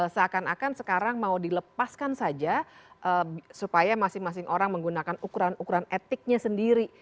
seakan akan sekarang mau dilepaskan saja supaya masing masing orang menggunakan ukuran ukuran etiknya sendiri